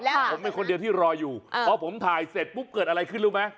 ผมเป็นคนเดียวที่รออยู่พอผมถ่ายเสร็จปุ๊บเกิดอะไรขึ้นรู้ไหม